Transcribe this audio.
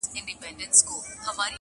• هر نسل يې يادوي بيا بيا,